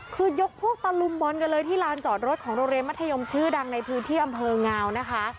คือยกพวกตะลุมบอลกันเลยที่ลานจอดรถของโรงเรียนมัธยมชื่อดังในพื้นที่อำเภองาวนะคะ